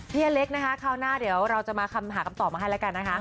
พี่อะเล็กนะคะเข้าหน้าอยากมาหากำตอบมาให้สำหรับการนะ